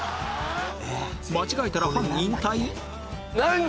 間違えたらファン引退？